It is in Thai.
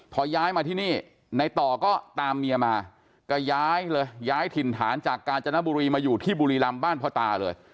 พอย้ายมาที่นี่ในต่อก็ตามเมียมาก็ย้ายเลยย้ายถิ่นฐานจากกาญจนบุรีมาอยู่ที่บุรีรำบ้านพ่อตาเลย